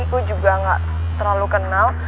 aku juga gak terlalu kenal